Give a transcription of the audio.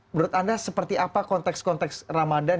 menurut anda seperti apa konteks konteks ramadhan